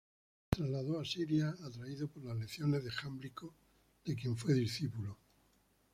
Se trasladó a Siria, atraído por las lecciones de Jámblico, de quien fue discípulo.